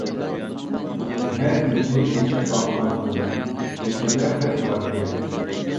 مەن ئىچىنى ئېچىپ باققانتىم، ئىچىدە خەت باركەن!